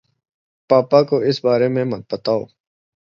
پاپا کو اِس بارے میں مت بتاؤ